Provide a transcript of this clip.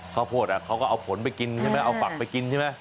ข้าวโพดเขาก็เอาผลไปกินใช่ไหมเอาฝักไปกินใช่ไหม